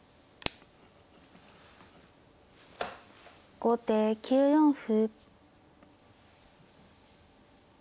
後手９四歩。